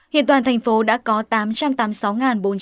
hiện toàn thành phố đã có tám trăm linh dữ liệu tiêm chủng